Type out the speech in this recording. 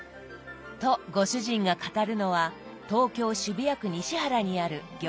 とご主人が語るのは東京・渋谷区西原にある餃子専門店。